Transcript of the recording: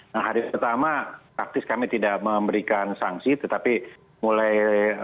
nah hari pertama praktis kami tidak memberikan sanksi tetapi mulai